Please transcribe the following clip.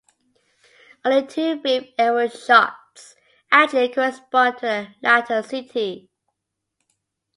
Only two brief aerial shots actually correspond to the latter city.